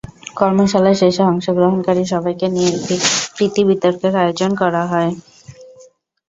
কর্মশালা শেষে অংশগ্রহণকারী সবাইকে নিয়ে একটি প্রীতি বিতর্কের আয়োজন করা হয়।